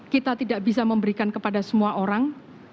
kita tidak bisa memberikan kepada semua orang